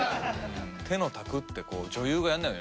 手の拓って女優がやらないよね